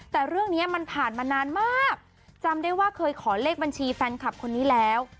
แต่เรื่องนี้มันผ่านมานานมากจำได้ว่าเคยขอเลขบัญชีแฟนคลับคนนี้แล้ว